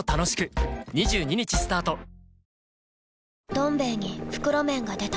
「どん兵衛」に袋麺が出た